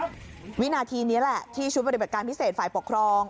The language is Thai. เจ้าหน้าที่นี่แหละที่ชุดบริบัติการพิเศษฝ่ายปกครอง